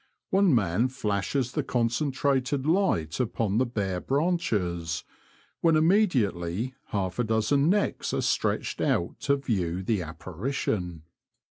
One man flashes the concen trated light upon the bare branches, when immediately half a dozen necks are stretched out to view the apparition.